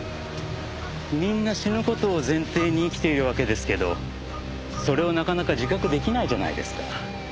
みんな死ぬ事を前提に生きているわけですけどそれをなかなか自覚出来ないじゃないですか。